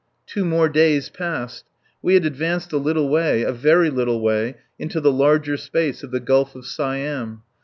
Two more days passed. We had advanced a little way a very little way into the larger space of the Gulf of Siam.